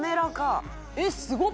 「えっすごっ！